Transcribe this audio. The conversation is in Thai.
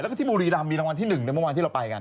แล้วก็ที่บุรีรำมีรางวัลที่๑ในเมื่อวานที่เราไปกัน